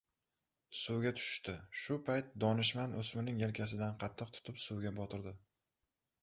Suvga tushishdi. Shu payt donishmand oʻsmirning yelkasidan qattiq tutib, suvga botirdi.